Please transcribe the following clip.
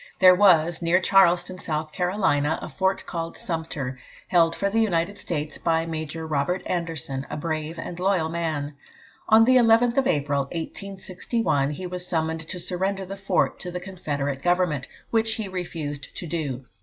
There was, near Charleston, South Carolina, a fort called Sumter, held for the United States by Major Robert Anderson, a brave and loyal man. On the 11th of April, 1861, he was summoned to surrender the fort to the Confederate Government, which he refused to do.